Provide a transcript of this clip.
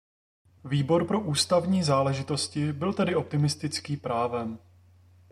Výbor pro ústavní záležitosti byl tedy optimistický právem.